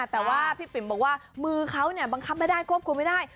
แต่ว่าพี่ปิ๋มบอกว่ามือเขาบังคับไม่ได้ควบคุมไม่ได้